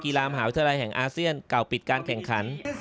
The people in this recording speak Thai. ลามมหาวิทยาลัยแห่งอาเซียนเก่าปิดการแข่งขัน